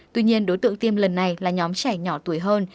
tuy nhiên đối tượng tiêm lần này là nhóm trẻ nhỏ tuổi hơn